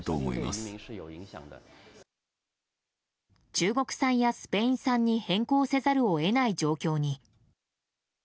中国産やスペイン産に変更せざるを得ない状況に。